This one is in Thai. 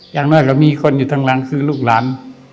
อย่างน้อยก็มีคนอยู่ข้างหลังคือลูกหลาน